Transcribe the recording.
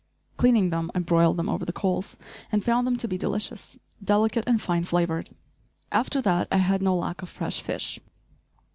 Cleaning them, I broiled them over the coals, and found them to be delicious, delicate and fine flavored. After that I had no lack of fresh fish.